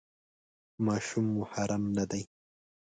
ماشوم محرم نه دی.